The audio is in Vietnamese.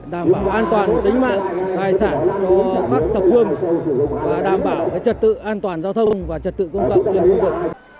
đảm bảo an toàn tính mạng tài sản cho các tập phương và đảm bảo trật tự an toàn giao thông và trật tự công cộng trên khu vực